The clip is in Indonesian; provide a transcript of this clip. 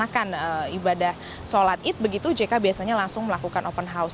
melaksanakan ibadah sholat id begitu jk biasanya langsung melakukan open house